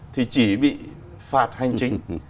thì chỉ bị phạt hành chính